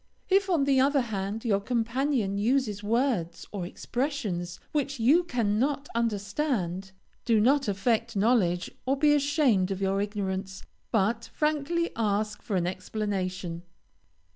If, on the other hand, your companion uses words or expressions which you cannot understand, do not affect knowledge, or be ashamed of your ignorance, but frankly ask for an explanation.